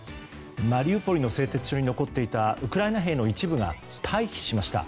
マリウポリの製鉄所に残っていたウクライナ兵の一部が退避しました。